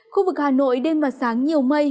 khu vực hà nội đêm và sáng nhiều mây